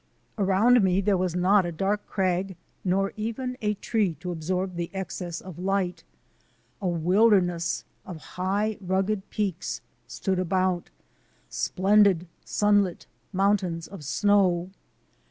Around me there was not a dark crag nor even a tree to absorb the excess of light. A wilder ness of high, rugged peaks stood about — splendid sunlit mountains of snow.